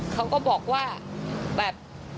เขาก็บอกว่าแบบ